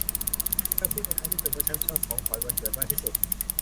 เธอพูดในท้ายที่สุดว่า ฉันชอบของขวัญวันเกิดมากที่สุด